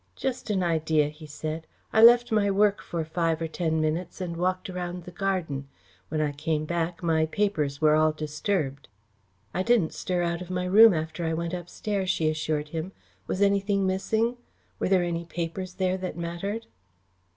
"Just an idea," he said. "I left my work for five or ten minutes and walked around the garden. When I came back, my papers were all disturbed." "I didn't stir out of my room after I went upstairs," she assured him. "Was anything missing? Were there any papers there that mattered?"